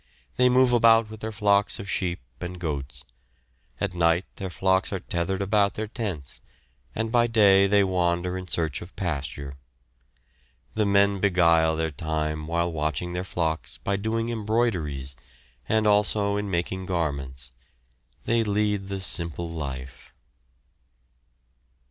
They move about with their flocks of sheep and goats. At night their flocks are tethered about their tents, and by day they wander in search of pasture. The men beguile their time while watching their flocks by doing embroideries, and also in making garments. They lead the simple life.